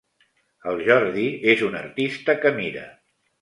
El Jordi és un artista que mira.